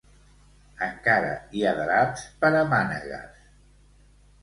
Encara hi ha draps per a mànegues.